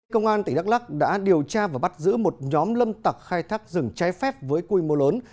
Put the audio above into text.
công an tỉnh đắk lắc đã điều tra và bắt giữ một nhóm lâm tặc khai thác rừng trái phép với quy mô lớn